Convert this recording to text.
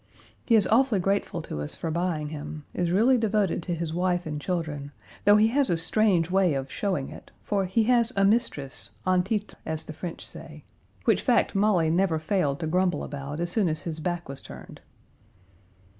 He is awfully grateful to us for buying him; is really devoted to his wife and children, though he has a strange way of showing it, for he has a mistress, en titre, as the French say, which fact Molly never failed to grumble about as soon as his back was turned.